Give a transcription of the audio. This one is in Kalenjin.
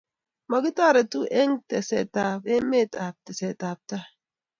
mekotoretu eng teksetab eme ak tesetab tai